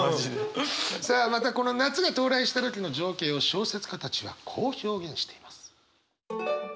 さあまたこの夏が到来した時の情景を小説家たちはこう表現しています。